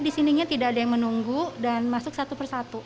di sininya tidak ada yang menunggu dan masuk satu persatu